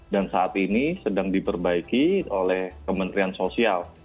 dan saat ini sedang diperbaiki oleh kementerian sosial